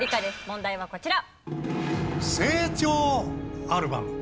問題はこちら。